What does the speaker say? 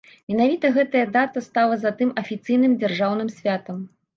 Менавіта гэтая дата стала затым афіцыйным дзяржаўным святам.